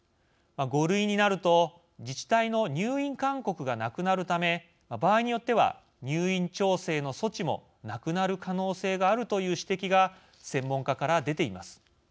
５類になると、自治体の入院勧告がなくなるため場合によっては入院調整の措置もなくなる可能性があるという指摘が専門家から出ています。